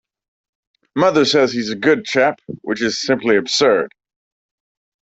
Mother says he's a good chap, which is simply absurd.